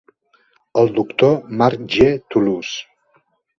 El doctor Mark G. Toulouse.